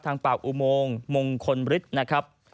ทางปากอุโมงมงคลฤทธิ์นะครับ